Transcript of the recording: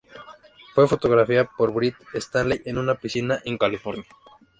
Fue fotografiada por Brett Stanley en una piscina en California.